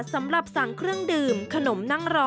สำหรับสั่งเครื่องดื่มขนมนั่งรอ